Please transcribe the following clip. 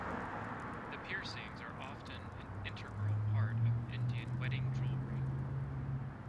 The piercings are often an integral part of Indian wedding jewelry.